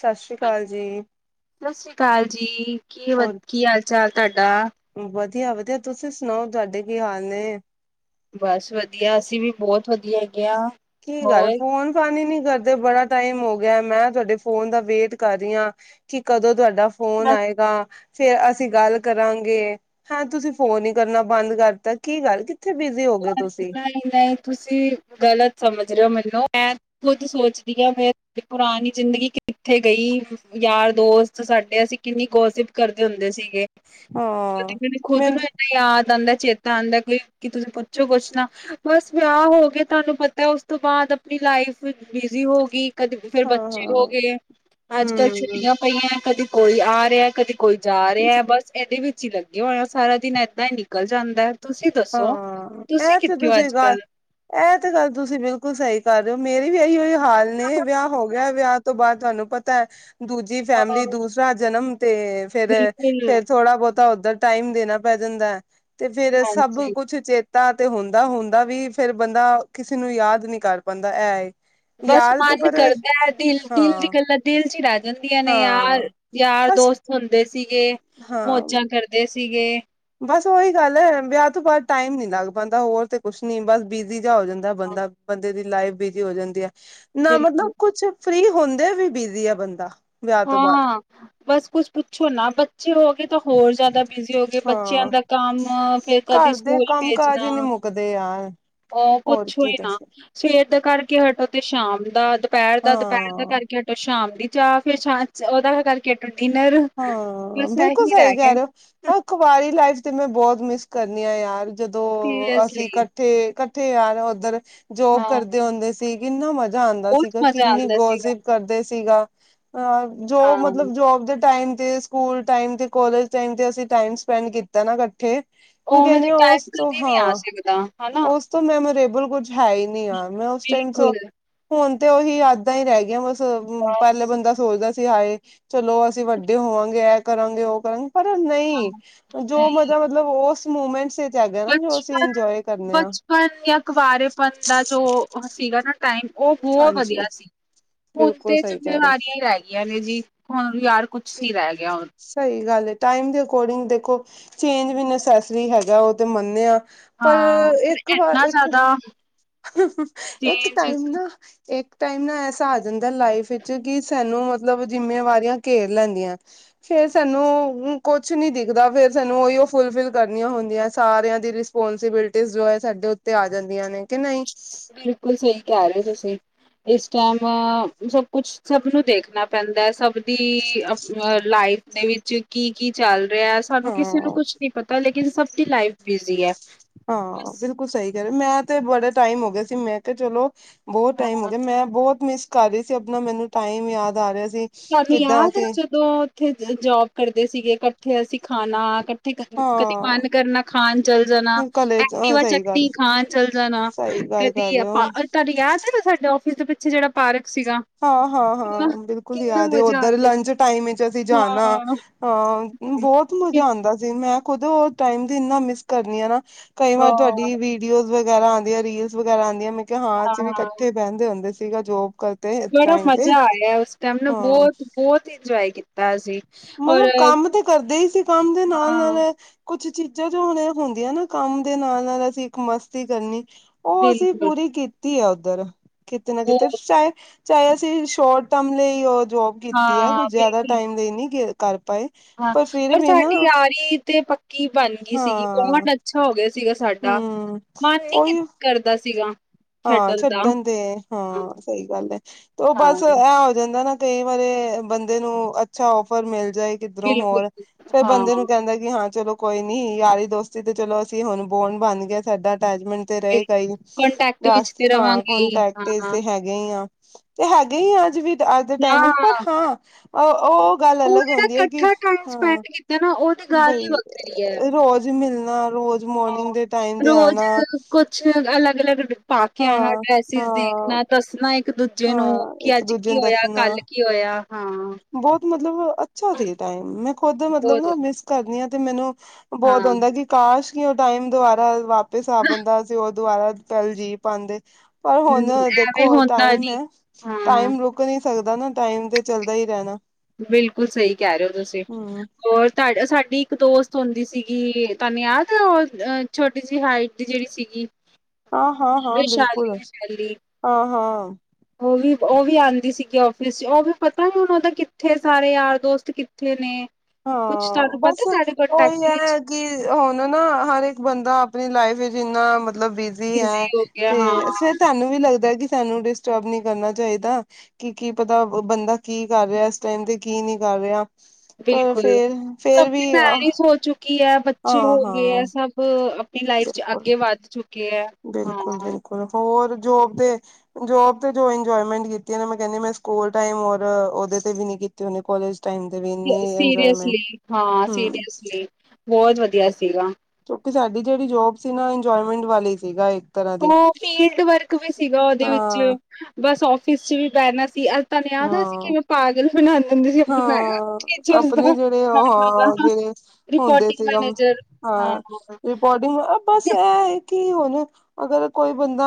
ਸਤਿ ਸ਼੍ਰੀ ਅਕਾਲ ਜੀ। ਸਤਿ ਸ੍ਰੀ ਅਕਾਲ ਜੀ ਕੀ ਵ ਕੀ ਹਾਲ ਚਾਲ ਤੁਹਾਡਾ। ਵਧੀਆਂ- ਵਧੀਆਂ, ਤੁਸੀਂ ਸੁਣਾਓ ਤੁਹਾਡੇ ਕੀ ਹਾਲ ਨੇ। ਬਸ ਵਧੀਆਂ ਅਸੀਂ ਵੀ ਬਹੁਤ ਵਧੀਆਂ ਹੈਗੇ ਆ। ਕੀ ਗੱਲ਼ ਫੋਨ -ਫਾਨ ਹੀ ਨੀ ਕਰਦੇ ਬੜਾ ਟਾਈਮ ਹੋ ਗਿਆ, ਮੈਂ ਤੁਹਾਡੇ ਫ਼ੋਨ ਦਾ ਵੇਟ ਕਰ ਰਹੀ ਹਾਂ ਕਿ ਕਦੋਂ ਤੁਹਾਡਾ ਫ਼ੋਨ ਬਸ ਆਏਂਗਾ, ਫ਼ੇਰ ਅਸੀਂ ਗੱਲ ਕਰਾਂਗੇ। ਹੈਂ ਤੁਸੀਂ ਫ਼ੋਨ ਹੀ ਕਰਨਾਂ ਬੰਦ ਕਰਤਾ, ਕੀ ਗੱਲ ਕਿੱਥੇ ਬਿਜੀ ਹੋ ਗਏ ਹੋ ਤੁਸੀਂ। ਨਹੀਂ- ਨਹੀਂ ਤੁਸੀਂ ਗਲਤ ਸਮਝ ਰਹੇਂ ਹੋ ਮੈਂਨੂੰ ਮੈਂ ਖੁਦ ਸੋਚਦੀ ਹਾਂ, ਮੈਂ ਪੁਰਾਣੀ ਜ਼ਿੰਦਗੀ ਕਿੱਥੇ ਗਈ ਯਾਰ ਦੋਸਤ ਸਾਡੇ ਅਸੀਂ ਕਿੰਨੀ ਗੋਸਿਪ ਕਰਦੇ ਹੁੰਦੇ ਸੀਗੇ, ਹਾਂ, [unintelligible] ਖੁਦ ਮਿੰਦ ਯਾਦ ਆਂਦਾ ਚੇਤਾ ਆਂਦਾ ਕੀ ਤੁਸੀਂ ਪੁ ਪੁੱਛੋ ਕੁੱਛ ਨਾ ਬਸ ਵਿਆਹ ਹੋਗੇ, ਤੁਹਾਂਨੂੰ ਪਤਾ ਉਸ ਤੋਂ ਬਾਅਦ ਆਪਣੀਂ ਲਾਈਫ ਬਿਜੀ ਹੋ ਗਈਂ। ਕਦੀ, ਫਿਰ ਹਾਂ ਬੱਚੇ ਹੋ ਹਾਂ ਗਏ, ਅੱਜ਼ ਕੱਲ ਹੂੰ ਛੁੱਟੀਆਂ ਪਈਆਂ ਏਂ, ਕਦੀ ਕੋਈ ਆ ਰਿਹਾ ਕਦੀ ਕੋਈ ਜਾ ਰਿਹਾ ਏ, ਬਸ ਇਹਦੇ ਵਿੱਚ ਹੀ ਲੱਗੇ ਹੋਏ ਆਂ ਸਾਰਾ ਦਿਨ ਐਦਾ ਹੀ ਨਿਕਲ ਜਾਂਦਾ ਏ। ਤੁਸੀ ਦੱਸੋ। ਹਾਂ ਤੁਸੀਂ ਐਹ ਤੇ ਕਿੱਥੇ ਹੋ ਤੁਸੀਂ ਅੱਜ ਗੱਲ- ਕੱਲ ਐਹ ਤੇ ਗੱਲ ਤੁਸੀ ਬਿਲਕੁਲ ਸਹੀ ਕਰ ਰਹੇ ਹੋ, ਮੇਰੀ ਵੀ ਅਈ ਅਈਓ ਹਾਲ ਨੀ ਵਿਆਹ ਹੋ ਗਿਆ, ਵਿਆਹ ਤੋ ਬਾਅਦ ਤੁਹਾਂਨੂੰ ਪਤਾ ਹੈਂ, ਦੂਜੇ -ਜੀ ਹਾਂ ਫੈਮਿਲੀ, ਦੂਸਰਾ ਜਨਮ ਤੇ ਬਿਲਕੁਲ ਫਿਰ-ਫਿਰ ਥੋੜਾ ਬਹੁਤ ਤਾ ਉੱਧਰ ਟਾਈਮ ਦੇਨਾ ਪੈ ਜਾਂਦਾ ਐ ਤੇ ਫੇਰ ਸਭ ਹਾਂਜੀ ਕੁੱਛ ਚੇਤਾ ਤਾ ਤੇ ਹੁੰਦਾ-ਹੁੰਦਾ ਵੀ, ਫਿਰ ਬੰਦਾ ਕਿਸੇ ਨੂੰ ਯਾਦ ਨੀ ਕਰ ਪਾਉਂਦਾ। ਐ ਏ ਬਸ ਮਨ ਕਰਦਾ ਐ। ਦਿਲ-ਦਿਲ ਦੀ ਹਾਂ ਗੱਲਾਂ ਦਿਲ 'ਚ ਈ ਰਹਿ ਜਾਂਦੀਆਂ ਨੇ, ਹਾਂ ਯਾਰ। ਬਸ ਯਾਰ-ਦੋਸਤ ਹੁੰਦੇ ਸੀਗੇ। ਹਾਂ ਮੌਜਾਂ ਕਰਦੇ ਸੀਗੇ। ਬਸ ਉਹੀ ਗੱਲ ਐ। ਵਿਆਹ ਤੋਂ ਬਾਅਦ ਟਾਈਮ ਨੀ ਲੱਗ ਪਾਂਦਾ। ਹੋਰ ਤੇ ਕੁੱਛ ਨੀ, ਬਸ ਬਿਜ਼ੀ ਜਿਹਾ ਹੋ ਜਾਂਦ ਦਾ ਏ ਬੰਦਾ। ਬੰਦੇ ਦੀ ਲਾਈਫ ਬਿਜ਼ੀ ਹੋ ਜਾਂਦੀ ਐ। ਨਾ ਬਿਲਕੁਲ ਮਤਲਬ ਕੁੱਛ ਫ੍ਰੀ ਹੁੰਦੇ ਵੀ ਬਿਜ਼ੀ ਆ ਬੰਦਾ, ਵਿਆਹ ਤੋ ਬਾਅਦ। [inaudible] ਬਸ ਕੁੱਛ ਪੁੱਛੋ ਨਾ, ਬੱਚੇ ਹੋਗੇ ਤੇ ਹੋਰ ਜ਼ਾਦਾ ਬਿਜ਼ੀ ਹੋਗੇ। ਬੱਚਿਆਂ ਹਾਂ ਦਾ ਕੰਮ, ਫੇਰ ਕਦੀ ਘਰ ਦੇ ਸਕੂਲ ਕੰਮ ਭੇਜਨਾ ਕਾਜ ਹੀ ਨੀ ਮੁੱਕਦੇ ਯਾਰ ਆਹ, ਹੋਰ ਪੁੱਛੋ ਕੀ ਈ ਨਾ। ਦੱਸੇ ਸੁਵੇਰ ਦਾ ਕਰਕੇ ਹਟੋ ਤੇ ਸ਼ਾਮ ਦਾ, ਦੁਪਹਿਰ ਦਾ, ਦੁਪਹਿਰ ਦਾ ਹਾਂ ਕਰਕੇ ਹਟੋ, ਸ਼ਾਮ ਦੀ ਚਾਹ। ਫੇਰ ਸ਼ਾਮ 'ਚ ਉਹਦਾ, ਓਹ ਕਰਕੇ ਹਟੋ ਡਿਨਰ। ਬਸ ਐਹੀ ਰਹਿ ਗਿਆ। ਉਹ ਕੁਆਰੀ ਲਾਈਫ ਤੇ ਮੈਂ ਬਹੁਤ ਮਿਸ ਕਰਨੀ ਆਂ ਯਾਰ। ਜਦੋ ਅਸੀ ਸੀਰੀਅਸਲੀ ਕਠ ਤੇ ਕੱਠੇ ਜਾਣਾ ਓਧਰ ਜੋਬ ਹਾਂ ਕਰਦੇ ਹੁੰਦੇ ਸੀ। ਤੇ ਕਿੰਨਾ ਮਜ਼ਾ ਆਂਦਾ ਬਹੁਤ ਸੀਗਾ। ਮਜ਼ਾ ਕਿੰਨੀ ਆਉਂਦਾ ਸੀਗਾ ਗੋਜਿਪ ਕਰਦੇ ਸੀਗਾ। ਆਹ ਜੋ ਹਾਂ ਮਤਲਬ ਜੋਬ ਦੇ ਟਾਇਮ ਤੇ, ਸਕੂਲ ਟਾਇਮ ਤੇ, ਕੋਲੇਜ਼ ਟਾਇਮ ਤੇ, ਅਸੀ ਟਾਇਮ ਸਪੈਂਡ ਕੀਤਾ ਨਾ, ਕੱਠੇ ਮੈਂ ਉਵੇਂ ਕਹਿੰਨੀਂ ਦਾ ਆ ਉਸ ਟਾਈਮ ਤੋ ਕਦੇ ਨਹੀਂ ਆ ਹਾਂ, ਸਕਦਾ ਹਨਾ ਉਸ ਤੋਂ ਮੈਮੋਰੇਬਲ ਕੁੱਝ ਹੈ ਈ ਨੀ ਯਾਰ। ਮੈਂ ਉਸ ਟਾਇਮ 'ਚ, ਬਿਲਕੁਲ ਹੁਨ ਤੇ ਉਹੀ ਯਾਦਾਂ ਈ ਰਹਿਗੀਆਂ ਬਸ। ਤੇ ਉਮ, ਬਸ ਪਹਿਲੇ ਬੰਦਾ ਸੋਚਦਾ ਸੀ ਹਾਏ, ਚਲੋ ਅਸੀਂ ਵੱਡੇ ਹੋਵਾਂਗੇ। ਐਹ ਕਰਾਂਗੇ, ਉਹ ਕਰਾਂਗ ਪਰ ਨਹੀਂ, ਹਾਂ ਜੋ ਨਹੀਂ ਮਜ਼ਾ ਮਤਲਬ ਓਸ ਮੂਮੈਂਟਸ 'ਚ ਹੈਗਾ ਨਾ, ਜੋ ਅਸੀਂ ਇੰਜੋਏ ਕਰਨੇ ਆ। ਪਰ ਇਹ ਆ, ਕੁਵਾਰੇ ਪਨ ਦਾ ਜੋ ਉਹ ਸੀਗਾ ਨਾ ਟਾਇਮ, ਉਹ ਬਹੁਤ ਹਾਂਜੀ ਵਧੀਆ ਸੀ। ਹੁਨ ਬਿਲਕੁਲ ਤੇ ਸਹੀ ਕਹਿ ਰਹੇ ਹੋ ਜਿੰਮੇਵਾਰੀਆਂ ਈ ਰਹਿਗੀਆਂ ਨੇਂ ਜੀ। ਹੁਣ ਵੀ ਯਾਰ, ਕੁਛ ਨੀ ਰਹਿ ਗਿਆ ਹੁਣ। ਸਹੀ ਗੱਲ ਏ। ਟਾਈਮ ਦੇ ਅਕੋਡਿੰਗ ਦੇਖੋ, ਚੇਂਜ ਵੀ ਨੇਸੈੱਸਰੀ ਹੈਗਾ, ਉਹ ਤੇ ਮੰਨਿਆਂ ਪਰ ਹਾਂ ਇੱਕ ਵਾਰ, ਇੰਨਾ ਜ਼ਿਆਦਾ ਇੱਕ-ਇੱਕ ਚੇਂਜ ਟਾਈਮ ਨਾ ਇੱਕ ਟਾਈਮ ਨਾ ਐਸਾ ਆ ਜਾਂਦਾ ਲਾਈਫ ਵਿੱਚ, ਕਿ ਸਾਨੂੰ ਮਤਲਬ ਜਿੰਮੇਵਾਰੀਆਂ ਘੇਰ ਲੈਂਦੀਆਂ। ਫੇਰ ਸਾਨੂੰ ਕੁੱਛ ਨੀ ਦਿਖਦਾ। ਫੇਰ ਸਾਨੂੰ ਉਹੀਓ ਫੁਲ-ਫਿਲ ਕਰਨੀਆਂ ਹੁੰਦੀਆਂ, ਸਾਰਿਆਂ ਦੀ ਰਿਸ ਪੋਂਸਿਬਿਲਟੀਜ਼ ਜੋ ਐ, ਸਾਡੇ ਉੱਤੇ ਆ ਜਾਂਦੀਆਂ ਨੇਂ, ਕਿ ਨਹੀਂ। ਬਿਲਕੁਲ ਸਹੀ ਕਹਿ ਰਹੇ ਓ ਤੁਸੀਂ। ਇਸ ਟੈਂਮ ਸਭ ਕੁਛ ਸਭ ਨੂੰ ਦੇਖਨਾ ਪੈਂਦਾਂ, ਸਭ ਦੀ ਅਪ, ਆ ਲਾਈਫ ਦੇ ਵਿੱਚ ਕੀ-ਕੀ ਚੱਲ ਰਿਹਾ। ਸਾਨੂੰ ਕਿਸੇ ਨੂੰ ਹਾਂ ਕੁੱਛ ਨੀ ਪਤਾ, ਲੇਕਿਨ ਸਭ ਦੀ ਲਾਈਫ਼ ਬਿਜ਼ੀ ਐ। ਹਾ, ਬਿਲਕੁਲ ਸਹੀ ਕਹਿ ਰੇ ਓ। ਮੈਂ ਤੇ ਬੜੇ ਟਾਈਮ ਹੋਗੇ ਸੀ, ਮੈਂ ਕਿਹਾ ਚਲੋ ਬਹੁਤ ਟਾਈਮ ਹੋ ਹਾਂ ਗਿਆ, ਮੈਂ ਬਹੁਤ ਮਿਸ ਕਰ ਰਹੀ ਸੀ, ਅਪਨਾ ਮੈਨੂੰ ਟਾਈਮ ਯਾਦ ਆ ਰਿਹਾ ਸੀ। ਤੁਹਾਨੂੰ ਕਿੱਦਾਂ ਯਾਦ ਏ ਓਹ ਅਸੀਂ ਜਦੋਂ ਉੱਥੇ ਜ-ਜੋਬ ਕਰਦੇ ਸੀਗੇ। ਕੱਠੇ ਅਸੀ ਖ਼ਾਨਾ ਕੱ ਠੇ ਕਦੇ, ਕਦੀ ਹਾਂ ਮੰਨ ਕਰਨਾ, ਖਾਨ ਚੱਲ ਜਾਨਾ। ਕਲੇ ਐਕਟੀਵਾ ਸਹੀ ਗੱਲ ਚੱਕਣੀ, ਖਾਨ ਚੱਲ ਜਾਨਾ ਸਹੀ ਤੇ ਗੱਲ ਕਰ ਵੀ ਰਹੇ ਹੋ ਆਪਾਂ, ਔਰ ਤੁਹਾਨੂੰ ਯਾਦ ਐ ਨਾ, ਸਾਡੇ ਔਫਿਸ ਦੇ ਪਿੱਛੇ ਜਿਹੜਾ ਪਾਰਕ ਸੀਗਾ। ਕਿੰਨਾ ਹਾਂ-ਹਾਂ-ਹਾਂ, ਬਿਲਕੁਲ ਕਿੰਨਾ ਯਾਦ ਏ। ਮਜ਼ਾ ਆ ਉੱਧਰ ਗਿਆ ਲਂ ਟਾਈਮ 'ਚ ਅਸੀ ਜਾਨਾ। ਹਾਂ। ਆਹ, ਬਹੁਤ ਮਜ਼ਾ ਆਂਦਾ ਸ ਦੀ ਮੈਂ ਖੁਦ ਉਹ ਟਾਈਮ ਦੀ ਇੰਨਾ ਮਿਸ ਕਰਨੀ ਆ ਨਾਂ। ਕਈ ਵਾਰ ਹਾਂ, ਤੁਹਾਡੀ ਵੀ ਡੀਓਜ਼ ਵਗੈਰਾ ਆਂਦੀਆਂ, ਰੀਲਸ ਵਗੈਰਾ ਆਂਦੀਆਂ। ਮੈਂ ਕਿਹਾ ਹਾਂ, ਅਸੀ ਵੀ ਇਕੱਠੇ ਬਹਿੰਦੇ ਹੁੰਦੇ ਸੀਗੇ। ਜੋਬ ਕਰ ਬੜਾ ਮਜ਼ਾ ਆਇਆ ਏ ਉਸ ਟਾਈਮ ਨਾ। ਹਾਂ ਬਹੁਤ-ਬਹੁਤ ਇੰਜੋਏ ਕੀਤਾ ਅਸੀ। ਮਲਬ ਕੰਮ ਤੇ ਕਰਦੇ ਈ ਸੀ। ਕੰਮ ਦੇ ਹਾਂ ਨਾਲ-ਨਾਲ ਕੁਛ ਚੀਜ਼ਾਂ ਜੋ ਹੁਣ ਐ ਹੁੰਦੀਆਂ ਨਾ ਕੰਮ ਦੇ ਨਾਲ-ਨਾਲ ਅਸੀਂ ਇੱਕ ਮਸਤੀ ਕਰਨੀ ਉਹ ਅਸੀਂ ਬਿਲਕੁਲ ਪੂਰੀ ਕੀਤੀ ਆ ਉੱਧਰ ਕਿਤੇ ਨਾ ਕਿਤੇ ਬਹੁਤ ਸ਼ਾਇ ਚਾਹੇ ਅਸੀਂ ਸ਼ੋਰਟ ਟਰਮ ਲਈ ਉਹ ਜੋਬ ਕੀਤੀ ਹੈ ਹਾਂ ਕੁਝ ਜ਼ਿਆਦਾ ਬਿਲਕੁਲ ਟਾਈਮ ਲਈ ਨਹੀਂ ਗ ਕਰ ਪਾਏ ਹਾਂ ਫਿਰ ਪਰ ਵੀ ਨਾ ਸਾਡੀ ਯਾਰੀ ਤੇ ਪੱਕੀ ਬਣ ਗਈ ਸੀਗੀ ਹਾਂ ਬੌਂਡ ਅੱਛਾ ਹੋ ਗਿਆ ਸੀਗਾ ਸਾਡਾ ਹਮ ਮਨ ਨੀ ਉਹੀ ਕਰਦਾ ਸੀਗਾ ਹਾਂ ਛੱਡਣ ਦੇ ਹਾਂ ਸਹੀ ਗੱਲ ਏ ਤੇ ਉਹ ਹਾਂ ਬਸ ਇਹ ਹੋ ਜਾਂਦਾ ਨਾ ਕਈ ਵਾਰੇ ਬੰਦੇ ਨੂੰ ਅੱਛਾ ਔਫਰ ਮਿਲ ਜਾਏ ਕਿੱਧਰੋਂ ਹੋਰ ਬਿਲਕੁਲ ਫੇਰ ਹਾਂ ਬੰਦੇ ਨੂੰ ਕਹਿੰਦਾ ਕਿ ਹਾਂ ਚਲੋ ਕੋਈ ਨੀ ਯਾਰੀ ਦੋਸਤੀ ਤੇ ਚਲੋ ਅਸੀਂ ਹੁਣ ਬੌਂਡ ਬਣ ਗਿਆ ਸਾਡਾ ਅਟੈਚਮੈਂਟ ਤੇ ਬਿਲ ਰਹੇਗਾ ਇ ਕੰਟੈਕਟ ਰਸ ਵਿੱਚ ਤੇ ਹਾਂ ਰਵਾਂਗੇ ਹੀ ਕੋਂਨਟੈਕਟ ਇਸ ਹਾਂ, ਤੇ ਹੈਗੇ ਹੀ ਆ ਤੇ ਹੈਗੇ ਹੀ ਆ ਅੱਜ ਵੀ ਅੱਜ ਦੇ ਟਾਈਮ ਵਿੱਚ ਪਰ ਹਾਂ ਉਹ ਗੱਲ ਉਹ ਅਲੱਗ ਜਿਹੜਾ ਹੁੰਦੀ ਹੈ ਕਿ ਇਕੱਠਾ ਟਾਈਮ ਸਪੈਂਡ ਹਾਂ ਕੀਤਾ ਨਾ ਉਹਦੀ ਗੱਲ ਹੀ ਬਈ ਵੱਖਰੀ ਹੈ। ਰੋਜ਼ ਮਿਲਣਾ ਰੋਜ਼ ਮੋਰਨਿੰਗ ਦੇ ਟਾਈਮ ਤੇ ਆਣਾ ਅੱਛ ਅਲੱਗ-ਅਲੱਗ ਪਾ ਕੇ ਆਣਾ ਹਾਂ ਡਰੈਸਿਸ ਹਾਂ ਦੇਖਣਾ ਦੱਸਣਾ ਇੱਕ ਦੂਜੇ ਨੂੰ ਹਾਂ ਕਿ ਇੱਕ ਅੱਜ ਦੂਜੇ ਕੀ ਹੋਇਆ ਕੱਲ ਕੀ ਹੋਇਆ ਹਾਂ ਬੋਤ ਮਤਲਬ ਅੱਛਾ ਸੀ ਟਾਈਮ ਮੈਂ ਖੁਦ ਮਤਲਬ ਬਹੁਤ ਮਿਸ ਕਰਦੀ ਆ ਤੇ ਮੈਨੂੰ ਹਾਂ ਬੋਤ ਹੁੰਦਾ ਕਿ ਕਾਸ਼ ਕੀ ਉਹ ਟਾਈਮ ਦੁਬਾਰਾ ਵਾਪਿਸ ਆ ਹਮ, ਪੈਂਦਾ ਸੀ ਉਹ ਦੁਬਾਰਾ ਪਲ ਜੀ ਪਾਉਂਦੇ ਪਰ ਹੁਣ ਐਵੇਂ ਦੇਖੋ ਹੁੰਦਾ ਟਾਈਮ ਨੀ ਏ ਹਾਂ ਟਾਈਮ ਰੁਕ ਰੁਕ ਨਹੀਂ ਸਕਦਾ ਨਾ ਟਾਈਮ ਤੇ ਚੱਲਦਾ ਹੀ ਰਹਿਣਾ ਬਿਲਕੁਲ ਸਹੀ ਕਹਿ ਰਹੇ ਹੋ ਤੁਸੀਂ ਹਮ ਹੋਰ ਤ ਸਾਡੀ ਇੱਕ ਦੋਸਤ ਹੁੰਦੀ ਸੀਗੀ ਤਾਨੂੰ ਯਾਦ ਐ ਔਰ ਛੋਟੀ ਜਿਹੀ ਹਾਈਟ ਦੀ ਜਿਹੜੀ ਸੀਗੀ ਹਾਂ-ਹਾਂ-ਹਾਂ ਬਿਲਕੁਲ ਵਿਸ਼ਾਲੀ-ਵਿਸ਼ਾਲੀ ਹਾਂ-ਹਾਂ ਉਹ ਵੀ ਉਹੀ ਆਂਦੀ ਸੀਗੀ ਆਫ਼ਿਸ ਚ ਉਹ ਵੀ ਪਤਾ ਹੁਣ ਉਹਦਾ ਕਿੱਥੇ ਸਾਰੇ ਯਾਰ ਦੋਸਤ ਉੱਥੇ ਨੇ ਕੁੱਛ ਹਾਂ ਤੁਹਾਨੂੰ ਬਸ ਪਤਾ ਤੁਹਾਡੇ ਕੋਂਨਟੈਕਟ ਉਹੀ ਵਿੱਚ ਹੈ ਕਿ ਹੁਣ ਨਾ ਹਰ ਇੱਕ ਬੰਦਾ ਆਪਣੀ ਲਾਈਫ ਵਿੱਚ ਇੰਨਾ ਮਤਲਬ ਬੀ ਜੀ ਬਿਜ਼ੀ ਹੈ ਹੋ ਗਿਆ ਤੇ ਹਾਂ ਫੇਰ ਸਾਨੂੰ ਵੀ ਲੱਗਦਾ ਕਿ ਸਾਨੂੰ ਡਿਸਟਰਬ ਨੀ ਕਰਨਾ ਚਾਈਦਾ ਕੀ-ਕੀ ਪਤਾ ਬੰਦਾ ਕੀ ਕਰ ਰਿਹਾ ਇਸ ਟਾਈਮ ਤੇ ਕੀ ਨਹੀਂ ਕਰ ਰਿਹਾ ਪਰ ਬਿਲਕੁਲ ਫੇਰ ਸਭ ਫੇਰ ਦੀ ਵੀ ਆਹ ਮੈਰਿਜ ਹੋ ਚੁੱਕੀ ਕੀ ਹੈ ਹਾਂ ਬੱਚੇ ਹੋ ਗਏ ਹਾਂ ਏ ਸਭ ਆਪਣੀ ਲਾਈਫ ਚ ਅੱਗੇ ਵੱਧ ਚੁੱਕੇ ਐ- ਬਿਲਕੁਲ-ਬਿਲਕੁਲ ਹੋਰ ਜੋਬ ਦੇ ਜੋਬ ਤੇ ਜੋ ਇੰਜੋਮੈਂਟ ਕੀਤੀ ਮੈਂ ਕਹਿੰਦੀ ਮੈਂ ਸਕੂਲ ਟਾਈਮ ਔਰ ਓਦੇ ਤੇ ਵੀ ਨਹੀ ਕੀਤੀੇ ਕਾਲਜ ਪੈਂਦੇ ਵੀ ਇੰਨੀ ਇੰਜੋਏਮੈਂਟ ਸੀਰੀਅਸਲੀ ਹਾਂ ਹਮ ਸੀਰੀਅਸਲੀ ਬੋਤ ਵਧੀਆ ਸੀਗਾ ਕਿਉਂਕਿ ਸਾਡੀ ਜਿਹੜੀ ਜੋਬ ਸੀ ਨਾ ਇੰਜੋਏਮੈਂਟ ਵਾਲੀ ਸੀਗਾ ਤਰ੍ਹਾਂ ਦੀ ਹਾਂ ਉਹ ਫੀਲਡ ਵਰਕ ਵੀ ਸੀਗਾ ਉਹਦੇ ਹਾਂ ਵਿੱਚ ਬਸ ਆਫ਼ਿਸ ਚ ਵੀ ਬੇਣਾ ਸੀ ਤਾਨੂੰ ਯਾਦ ਆਂ ਅਸੀ ਹਾਂ ਕਿਵੇਂ ਪਾਗਲ ਬਣਾਂਦੇ ਹੁੰਦੇ ਸੀ ਅਪਨੇ ਮੈ ਹਾਂ ਟੀਚਰ ਆਪਣੇ ਦਾ ਜਿਹੜੇ ਮੈਡਮਾਂ ਉਹ ਦਾ ਜਿਹੜੇ ਹੁੰਦੇ ਰਿਪੋਰਟਿੰਗ ਸੀਗਾ ਮੈਨੇਜਰ ਹਾਂ ਬਸ ਇਹ ਏ ਕਿ ਹੁਣ ਅਗਰ ਕੋਈ ਬੰਦਾ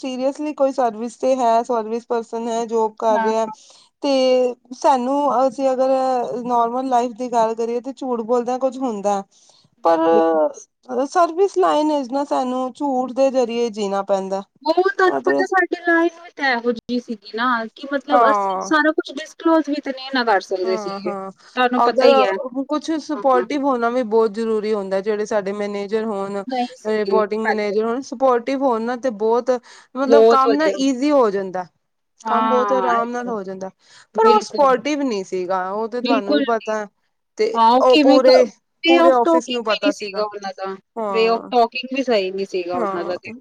ਸੀਰਿਯਸਲੀ ਕੋਈ ਸਰਵਿਸ ਤੇ ਹੈ ਸਰਵਿਸ ਪਰਸਨ ਹੈ ਜੋ ਕਰ ਹਾਂ ਰਿਹਾ ਤੇ ਸਾਨੂੰ ਅਸੀਂ ਅਗਰ ਨੋਰਮਲ ਲਾਈਫ ਦੀ ਗੱਲ ਕਰੀਏ ਤਾਂ ਝੂਠ ਬੋਲਦਿਆਂ ਕੁੱਝ ਹੁੰਦਾ ਪਰ ਬਿਲਕੁਲ ਸਰਵਿਸ ਲਾਈਨ ਚ ਨਾ ਸਾਨੂੰ ਝੂਠ ਦੇ ਜਰੀਏ ਜੀਣਾ ਪੈਂਦਾ ਉਹ ਤੁਹਾਨੂੰ ਅਤੇ ਪਤਾ ਸਾਡੇ ਲਾਈਨ ਵੀ ਤੋ ਐਹੋ ਜਿਹੀ ਸੀਗੀ ਨਾ ਕਿ ਮਤਲਬ ਅਸੀਂ ਹਾਂ ਸਾਰਾ ਕੁਛ ਡਿਸਕਲੋਜ ਵੀ ਤੇ ਨੀ ਨਾ ਕਰ ਸ ਹਾਂ-ਹਾਂ ਅਗਰ ਕੁਛ ਹਾਂ ਸਪੋਰਟਿਵ ਹੋਨਾ ਵੀ ਬੋਤ ਜਰੂਰੀ ਹੁੰਦਾ ਜੇੜੇ ਸਾਡੇ ਮੈਨੇਜਰ ਹੋਨ, ਨਹੀਂ ਸੀਗੇ ਰਿਪੋਰਟਿੰਗ ਮੈਨੇਜਰ ਹੋਨ ਸਪੋਰ ਟਿਵ ਹੋਨ ਨਾ ਤੇ ਬੋਤ ਮਤਲਬ ਬਹੁਤ ਕੰਮ ਨਾ ਵਧੀਆ ਈਜ਼ੀ ਹੋ ਜਾਂਦਾ। ਕੰਮ ਬੋਤ ਆਰਾਮ ਨਾਲ ਹਾਂ ਹੋ ਜਾਂਦਾ ਪਰ ਓ ਬਿਲਕੁਲ ਸਪੋਰਟਿਵ ਨੀ ਸੀਗਾ ਓ ਤੇ ਤੁਹਾਨੂੰ ਵੀ ਬਿਲਕੁਲ ਪਤਾ ਐ ਹਾਂ ਓ ਕਿਵੇਂ ਵੇ ਔਫ ਆਫਿਸ ਨੂੰ ਟੋਕਿੰਗ ਵੀ ਨੀ ਪਤਾ ਸੀਗਾ ਓਨਾਂ ਦਾ, ਵੇ ਔਫ ਹਾਂ ਟੋਕ ਕਿੰਗ ਵੀ ਸਈ ਨੀ ਸੀਗਾ ਓਨਾਂ ਦਾ ਤੇ। ਹਾਂ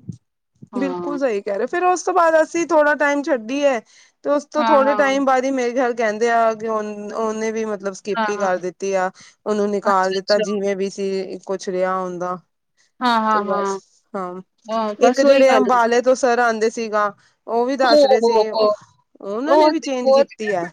ਬਿਲਕੁਲ ਹਾਂ ਸਈ ਕੈ ਰੇ ਫੇਰ ਓਸ ਤੋਂ ਬਾਦ ਅਸੀਂ ਥੋੜਾ ਟਾਈਮ ਛੱਡੀ ਏ ਤੇ ਓਸ ਤੋਂ ਹਾਂ ਥੋੜੇ ਹਾਂ ਟਾਈਮ ਬਾਦ ਹੀ ਮੇਰੇ ਖਯਾਲ ਕੈਂਦੇ ਆ ਕਿ ਓਨ, ਓਨੇ ਵੀ ਮਤਲਬ ਹਾਂ ਕਿਪ ਈ ਹਾਂ ਕਰ ਦਿੱਤੀ ਆ ਓਨੂੰ ਨਿਕਾਲ ਅੱਛਾ ਦਿੱਤਾ ਅੱਛਾ ਜਿਵੇਂ ਵੀ ਸੀ ਕੁਛ ਰਿਹਾ ਉਂਦਾ। ਹਾਂ ਹਾਂ ਤੇ ਬਸ, ਹਾਂ ਹਾਂ ਹਾਂ ਇੱਕ ਬਸ ਜੇ ਉਹੀ ੜੇ ਗੱਲ ਅੰਬਾਲੇ ਤੋਂ ਸਰ ਆਂਦੇ ਸੀਗਾ। ਓ ਵੀ ਹੋ ਦੱਸ ਰਹੇ ਹੋ ਸੀ, ਹੋ ਓਹ ਓਨਾਂ ਨੇ ਵੀ ਚੇਂਜ ਕੀਤੀ ਐ।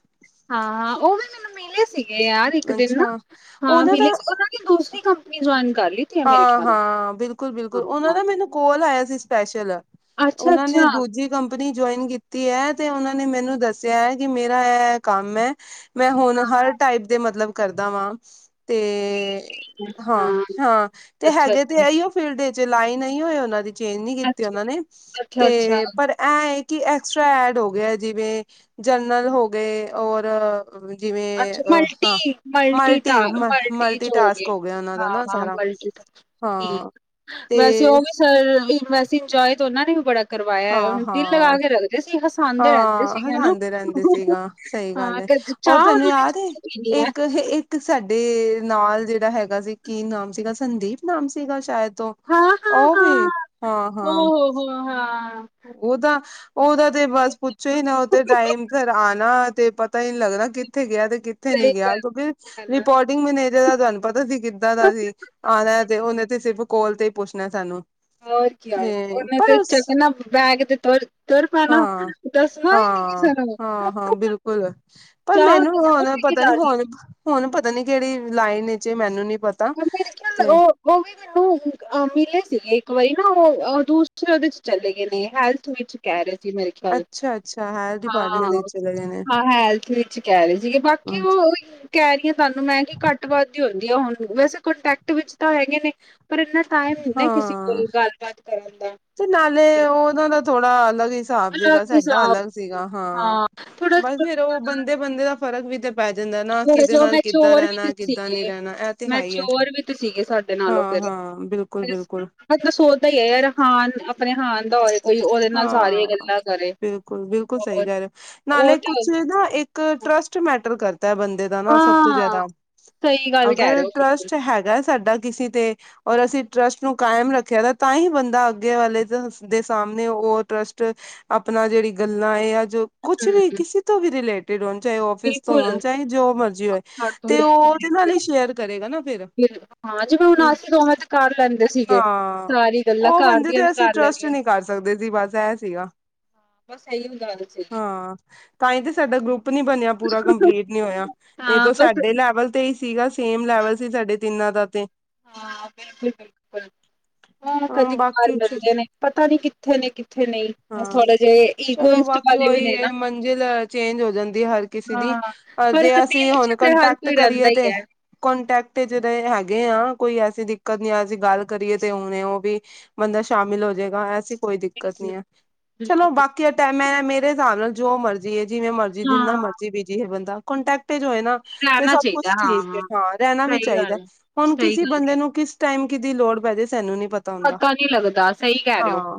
ਹਾਂ-ਹਾਂ ਓ ਵੀ ਮੈਨੂੰ ਮਿਲੇ ਸੀਗੇ ਯਾਰ ਇੱਕ ਦਿਨ ਨਾ, ਅੱਛਾ ਹਾਂ ਉਹਨਾਂ ਮਿਲੇ ਦਾ ਸੀ ਓ ਨਾ ਕੋਈ ਦੂਸਰੀ ਕੰਪਨੀ ਜੁਆਇਨ ਕਰ ਲੀ। ਹਾਂ-ਹਾਂ, ਬਿਲਕੁਲ ਬਿਲਕੁਲ ਓਨਾਂ ਹਾਂ ਦਾ ਮੈਨੂੰ ਕੋਲ ਆਇਆ ਸੀ ਸਪੈਸ਼ਲ। ਅੱਛਾ ਉਨਾਂ ਅੱਛਾ ਨੇ ਹਾਂ ਦੂਜੀ ਕੰਪਨੀ ਜੁਆਇਨ ਕੀਤੀ ਐ ਤੇ ਓਨਾਂ ਨੇ ਮੈਨੂੰ ਦੱਸਿਆ ਐ ਕਿ ਮੇਰਾ ਐ-ਐ ਕੰਮ ਐ। ਮੈਂ ਹੁਨ ਹਰ ਹਾਂ ਟਾਈਪ ਦੇ ਮਤਲਬ ਕਰਦਾ ਵਾਂ, ਤੇ ਹਾਂ, ਹਾਂ। ਤੇ ਅੱਛਾ ਹੈਗੇ ਅੱਛਾ ਤੇ ਐਈਓ ਫੀਲਡ 'ਚ ਲਾਈਨ ਐਈਓ ਏ ਓਨਾਂ ਦੀ। ਚੇਂਜ ਨੀ ਅੱਛਾ ਕੀਤੀ ਓਨਾਂ ਨੇ ਅੱਛਾ ਅੱਛਾ ਤੇ ਪਰ ਐ ਏ ਕਿ ਐਕਸਟਰਾ ਐਡ ਹੋ ਗਿਆ ਜਿਵੇਂ ਜਰਨਰਲ ਹੋ ਗੇ ਔਰ ਜਿਵੇਂ ਅੱਛਾ ਅ, ਹਾਂ ਮਲਟੀ ਟ ਮਲਟੀ, ਚ ਮਲਟੀ ਗਏ ਟਾਸਕ ਹੋ ਗਿਆ ਓਨਾਂ ਹਾਂ ਦਾ ਨਾ ਹਾਂ ਸਾਰਾ। ਠੀਕ ਹਾਂ ਤੇ ਵੈਸੇ ਓ ਵੀ ਸਰ ਵੈਸੇ ਇੰਜੋਏ ਤੇ ਓਨਾਂ ਨੇ ਵੀ ਬੜਾ ਕਰਵਾਇਆ ਹਾਂ ਦਿਲ ਹਾਂ ਲਗਾ ਕੇ ਰੱਖਦੇ ਸੀ, ਹਸਾਂਦੇ ਰੈਂਦੇ ਹਾਂ ਸੀ ਹੈਨਾ। ਹਸਾਂਦੇ ਰਹਿੰਦੇ ਹਾਂ [unintelligible] ਚਾਹ ਉਹਨਾਂ ਨੇ ਯਾਰ ਏ, ਚਾਹ ਪੀਣੀ ਹੈ ਏਕ [unintelligible] ਏਕ ਸਾਡੇ ਨਾਲ ਜੇੜਾ ਹੈਗਾ ਸੀ ਕੀ ਨਾਮ ਸੀਗਾ ਸੰਦੀਪ ਨਾਮ ਸੀਗਾ ਸ਼ਾਇਦ ਤੋਂ। ਹਾਂ ਓ ਵੀ, ਹਾਂ ਹਾਂ। ਓ ਹਾਂ। ਓਦਾ, ਓਦਾ ਤੇ ਬਸ ਪੁੱਛੋ ਹੀ ਨਾ ਓ ਤੇ ਟਾਈਮ ਸਰ ਆਨਾ ਤੇ ਪਤ ਤਾ ਈ ਨੀ ਲੱਗਦਾ ਕਿੱਥੇ ਗਿਆ ਤੇ ਕਿੱਥੇ ਨੀ ਸਹੀ ਗਿਆ ਕਿਉਂਕਿ ਗੱਲ ਰਿਪੋਰਟ ਟਿੰਗ ਮੈਨੇਜਰ ਦਾ ਤੁਹਾਨੂੰ ਪਤਾ ਸੀ ਕਿੱਦਾਂ ਦਾ ਸੀ ਆਨਾ ਐ ਤੇ ਓਨੇ ਤੇ ਸਿਰਫ ਕੋਲ ਤੇ ਈ ਪੁੱਛਨਾ ਸਾਨੂੰ। ਹੋਰ ਕਯਾ ਐ, ਤੇ ਓਨੇ ਪਰ ਤੇ ਉਸ ਚੱਕਨਾ ਬੈਗ ਤੇ ਤੁਰ ਪੈਣਾ ਹਾਂ, ਦੱਸਣਾ ਹੀ ਨੀ ਹਾਂ, ਕਿਸੇ ਨੂੰ ਹਾਂ, ਹਾਂ ਬਿਲਕੁਲ। ਪਰ ਚਾਹ ਮੈਨੂੰ ਉਹਨੇ ਹੁਨ ਜ਼ਰੂਰ ਪੀ ਕੇ ਪਤਾ ਨੀ ਜਾਣੀ ਹੁਨ, ਹੁਨ ਪਤਾ ਨੀ ਕੇੜੀ ਲਾਈਨ 'ਚ ਮੈਨੂੰ ਨੀ ਪਤਾ। [unintelligible] ਤੇ ਓ ਆ ਮਿਲੇ ਸੀਗੇ ਇੱਕ ਵਾਰੀ ਨਾ ਓ ਦੂਸਰੇ ਓਦੇ 'ਚ ਚਲੇ ਗਏ ਨੇ ਹੈਲਥ ਵਿੱਚ। ਕੈ ਰੇ ਸੀ ਮੇਰੇ ਖਿਆਲ। ਅੱਛਾ ਅੱਛਾ ਹੈਲਥ ਡਿਪਾਰਟਮੈਂਟ ਹਾਂ, ਵਿੱਚ ਚਲੇ ਗਏ ਨੇ ਹਾਂ ਹੈਲਥ ਵਿੱਚ ਕੈ ਰੇ ਸੀਗੇ ਬਾਕੀ ਓ ਓਈ ਕੈ ਰੀ ਆਂ ਤੁਹਾਨੂੰ ਮੈਂ ਕਿ ਘੱਟ ਵੱਧ ਈ ਹੁੰਦੀ ਐ ਹੁਨ ਵੈਸੇ ਕੰਟੈਟ ਵਿੱਚ ਤਾਂ ਹੈਗੇ ਨੇ ਪਰ ਇਨਾਂ ਟਾਇਮ ਨੀ ਨਾ ਕਿਸੇ ਹਾਂ ਕੋਲ ਗੱਲਬਾਤ ਕਰਨ ਦਾ। ਤੇ ਨਾਲੇ ਓਨਾਂ ਦਾ ਥੋੜਾ ਅਲੱਗ ਹਿ ਸਾਬ ਸੀਗਾ ਅਲੱਗ ਸਾਡਾ ਹਿਸਾਬ ਅਲੱਗ ਸੀ ਸੀਗਾ, ਹਾਂ ਥੋੜਾ ਬਸ ਜਿਹਾ, ਫੇਰ ਓ ਬੰਦੇ-ਬੰਦੇ ਦਾ ਫਰਕ ਵੀ ਤੇ ਪੈ ਜਾਂਦਾ ਨਾ, ਥੋੜਾ ਕਿਦੇ ਜਿਹਾ ਨਾਲ ਕਿੱਦਾਂ ਮੈਚੋਰ ਵੀ ਤੇ ਰੈਣਾ, ਕਿੱਦਾਂ ਨਈ ਸੀਗੇ ਰੈਣਾ ਏ ਤਾ ਹੈ, ਈ, ਆ। ਮੈਚੋਰ ਵੀ ਤੇ ਸੀਗੇ ਸਾਡੇ ਨਾਲੋਂ ਹਾਂ ਫਿਰ -ਹਾਂ, ਬਿਲਕੁਲ -ਬਿਲਕੁਲ। ਮਤਲਬ ਸੋਚਦਾ ਈ ਆ ਯਾਰ, ਹਾਨ ਆਪਣੇ ਹਾਨ ਦਾ ਹੋਵੇ। ਹਾਂ, ਬਿਲਕੁਲ -ਬਿਲਕੁਲ ਸਹੀ ਹੋਰ ਕੈਹ ਰਹੇ, ਉਹ ਨਾਲੇ ਤੇ ਕੁਛ ਨਾ ਇੱਕ ਇੱਕ ਟਰੱਸਟ ਮੈਟਰ ਕਰਦਾ ਐ ਬੰਦੇ ਨਾ ਸਭ ਤੋਂ ਹਾਂ ਜਾਦਾ, ਸਹੀ ਗੱਲ ਕਹਿ ਅਗਰ ਰਹੇ ਹੋ ਬਿਲਕੁਲ ਟਰੱਸਟ ਹੈਗਾ ਸਾਡਾ ਕਿਸੇ ਤੇ ਔਰ ਅਸੀਂ ਟਰੱਸਟ ਨੂੰ ਕਾਇਮ ਰੱਖੇਆ ਤਾਂ, ਤਾਂ ਈ ਬੰਦਾ ਅੱਗੇ ਵਾਲੇ ਦੇ ਸਾਹਮਣੇ ਨੇ ਓਹ ਟਰੱਸਟ ਆਪਣਾ ਜੇਹੜੀ ਗੱਲਾਂ ਏ, ਆ, ਜੋ ਕੁਛ ਵੀ ਹੂੰ ਕਿਸੇ ਕਿਤੋਂ ਵੀ ਰਿਲੇਟਿਡ ਹੋਣ, ਚਾਹੇ ਔਫਿਸ ਤੋਂ ਬਿਲਕੁਲ ਹੋਣ, ਚਾਹੇ ਜੋ ਮਰਜ਼ੀ ਹੋਏ, ਘਰ ਤੋਂ ਤੇ ਲੈ ਓਹਦੇ ਨਾਲ ਈ ਸ਼ੇਅਰ ਕਰੇਗਾ ਨਾ ਫਿਰ ਹਾਂ ਜਿਵੇਂ ਹੁਣ ਹਮ ਅਸੀਂ ਦੋਵੇਂ ਤੇ ਕਰ ਲੈਂਦੇ ਸੀਗੇ। ਹਾਂ ਸਾਰੀ ਗੱਲਾਂ ਓਹ ਘਰ ਬੰਦੇ ਦੀਆਂ ਵੀ ਤੇ ਅਸੀਂ ਕਰ ਟਰਸਟ ਲੈਣੀਆਂ ਨਈ ਕਰ ਸਕਦੇ ਜੀ, ਬਸ ਏਹ ਸੀਗਾ। ਸਹੀ ਵੀ ਗੱਲ ਸੀ। ਹਾਂ ਤਾਂ ਈ ਤੇ ਸਾਡਾ ਗਰੁੱਪ ਨੀ ਬਣੇਆ, ਪੂਰਾ ਕੰਪਲੀਟ ਨੀ ਹੋਏਆ ਇਹ ਹਾਂ ਤੇ ਬਸ ਸਾਡੇ ਲੈਵਲ ਤੇ ਹੀ ਸੀਗਾ, ਸੇਮ ਲੈਵਲ ਸੀ, ਸਾਡੇ ਤਿੰਨਾਂ ਦਾ ਤੇ ਹਾਂ ਬਿਲਕੁਲ- ਬਿਲਕੁਲ ਹਾ ਹਾਂ ਕਦੀ-ਕਦਾਰ ਬਾਕੀ ਚ ਮਿਲਦੇ ਨੇ। ਪਤਾ ਨਈ ਕਿੱਥੇ ਨੇ ਕਿੱਥੇ ਨਈ। ਹਾਂ ਚਲੋ ਬਾਕੀ ਵੀ ਓਹੀ ਨੇ ਨਾ ਹੈ, ਮੰਜ਼ਿਲ ਚੇਂਜ ਹੋ ਜਾਂਦੀ ਹਰ ਕਿਸੇ ਦੀ ਹਾਂ, ਅ, ਪਰ ਜੇ ਹ ਦਿਲ ਅਸੀਂ 'ਚ ਹੁਣ ਤੇ ਹਰ ਕੰਟੈਕਟ ਕੋਈ ਰਹਿੰਦਾ ਕਰੀਏ ਤੇ ਹੀ ਹੈ। ਕੋਂਟੈਕਟ ਚ ਤਾ ਹੈਗੇ ਆ, ਕੋਈ ਐਸੀ ਦਿੱਕਤ ਨੀ ਅਸੀਂ ਗੱਲ ਕਰੀਏ ਤੇ ਓਵੇ, ਓਹ ਵੀ, ਬੰਦਾ ਸ਼ਾਮਿਲ ਹੋ ਜਾਏਗਾ। ਐਸੀ ਕੋਈ ਦਿੱਕਤ ਬਿਲਕੁਲ, ਨੀ ਹੈ, ਚਲੋ ਬਿਲਕੁਲ। ਬਾਕੀ ਔਦਾ ਹੈ ਬਿਲਕੁਲ। ਨਾ, ਮੇਰੇ ਹਿਸਾਬ ਨਾਲ ਜੋ ਮਰਜ਼ੀ ਹੈ, ਜਿਵੇਂ ਮਰਜ਼ੀ ਜੀ ਜਿੰਨਾ ਹਾਂ, ਮਰਜ਼ੀ ਬੀਜੀ ਹੈ ਬੰਦਾ, ਕੋਂਟੈਕਟਜ ਹੋਏ ਨਾ- ਤੇ ਰਹਿਣਾ ਸਭ ਚਾਹੀਦਾ ਕੁਛ ਠੀਕ ਹੈ, ਹਾਂ-ਹਾਂ, ਹਾਂ ਰੈਣਾ ਵੀ ਸਹੀ ਚਾਹੀਦਾ, ਗੱਲ ਹੈ, ਹੁਣ ਸਹੀ ਕਿਸੇ ਗੱਲ ਬੰਦੇ ਕਹਿ ਨੂੰ ਕਿਸ ਟਾਈਮ ਕਿਦੀ ਲੋੜ ਪੈ ਜਾਏ, ਸਾਨੂੰ ਨੀ ਪਤਾ, ਹੁੰਦਾ ਪਤਾ ਨਈ ਲੱਗਦਾ ਸਹੀ ਕੈਹ ਰਹੇ ਹੋ। ਹਾਂ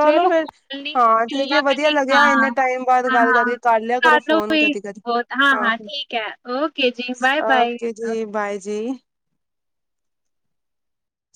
ਚਲੋ ਫੇਰ ਹਾਂ ਠੀਕ ਹਾ-ਹਾ ਹੈ ਵਧੀਆ ਲੱਗਿਆ ਇੰਨੇ ਟਾਈਮ ਬਾਅਦ ਗੱਲ ਕਰਕੇ ਕਰ ਲਿਆ ਕਰੋ ਫੋਨ ਕਦੀ ਕਦੀ ਹੋਰ ਹਾਂ- ਹਾਂ ਠੀਕ ਆ, ਓਕੇ ਜੀ ਬਾਏ -ਬਾਏ। ਨਈ ਬਾਏ ਜੀ।